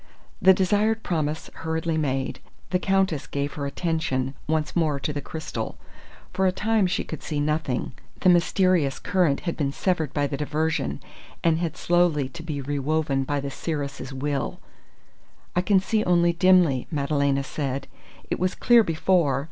The desired promise hurriedly made, the Countess gave her attention once more to the crystal. For a time she could see nothing. The mysterious current had been severed by the diversion, and had slowly to be rewoven by the seeress's will. "I can see only dimly," Madalena said. "It was clear before!